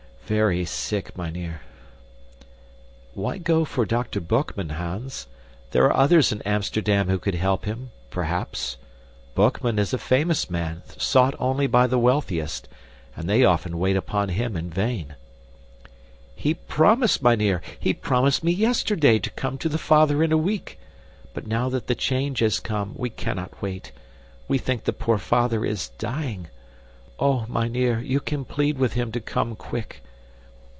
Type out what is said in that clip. "Very sick, mynheer." "Why go for Dr. Boekman, Hans? There are others in Amsterdam who could help him, perhaps. Boekman is a famous man, sought only by the wealthiest, and they often wait upon him in vain." "He PROMISED, mynheer, he promised me yesterday to come to the father in a week. But now that the change has come, we cannot wait. We think the poor father is dying. Oh, mynheer, you can plead with him to come quick.